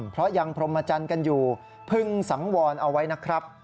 เพราะยังพรมจันทร์กันอยู่พึงสังวรเอาไว้นะครับ